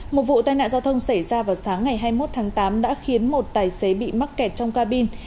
một vụ tai nạn giao thông xảy ra vào sáng ngày hai mươi một tháng tám đã khiến một tài xế bị mắc kẹt trong cabin